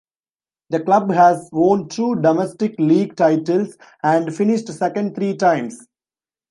The club has won two domestic league titles and finished second three times.